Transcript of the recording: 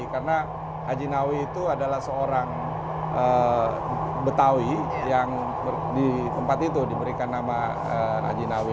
karena hajinawi itu adalah seorang betawi yang di tempat itu diberikan nama hajinawi